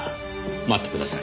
待ってください。